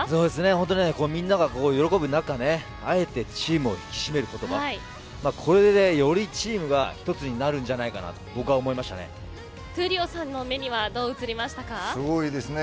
本当にみんなが喜ぶ中で相手チームを引き締める言葉これでよりチームが一つになるんじゃないかなと闘莉王さんの目にはすごいですね。